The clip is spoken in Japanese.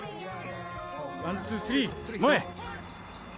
ワンツースリー前！